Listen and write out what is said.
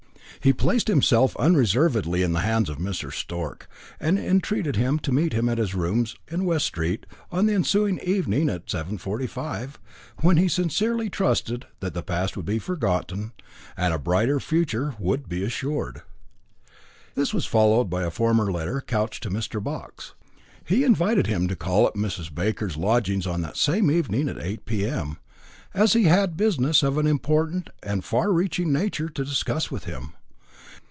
He placed himself unreservedly in the hands of Mr. Stork, and entreated him to meet him at his rooms in West Street on the ensuing Monday evening at 7.45, when he sincerely trusted that the past would be forgotten, and a brighter future would be assured. This was followed by a formal letter couched to Mr. Box. He invited him to call at Mrs. Baker's lodgings on that same evening at 8 p.m., as he had business of an important and far reaching nature to discuss with him.